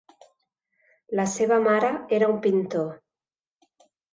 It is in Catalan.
La seva mare era un pintor.